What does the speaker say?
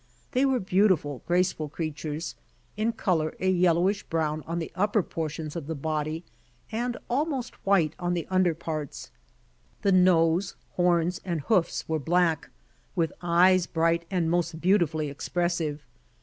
They were beautiful, graceful creatures; in color a yellowish brown on the upper portions of the body and almiost white on the under parts. The nose, horns and hoofs were black, with eyes bright and most beautifully expressive.